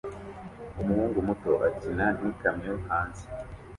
Umuhungu muto akina n'ikamyo hanze